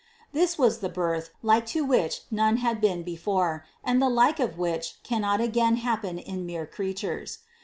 This was the birth, like to which none had been before, and the like of which cannot again happen in mere creatures.